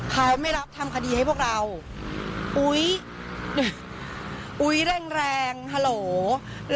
เขาไม่รับทำคดีให้พวกเราอุ๊ยอุ๊ยแรงแรงฮัลโหล